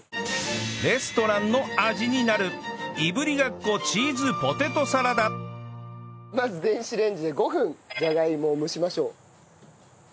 レストランの味になるまず電子レンジで５分ジャガイモを蒸しましょう。